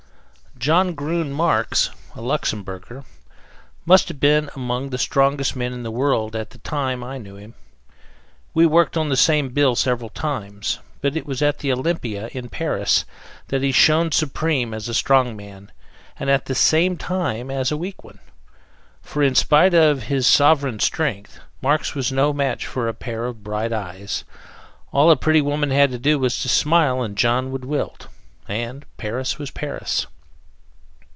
John Grun Marx, a Luxemberger, must have been among the strongest men in the world at the time I knew him. We worked on the same bill several times; but it was at the Olympia, in Paris, that he shone supreme as a strongman and at the same time as a weak one. For, in spite of his sovereign strength, Mars was no match for a pair of bright eyes; all a pretty woman had to do was to smile and John would wilt. And Paris was Paris.